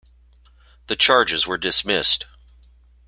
The charges were dismissed.